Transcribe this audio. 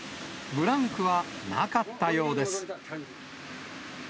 ブランクはなかったようです。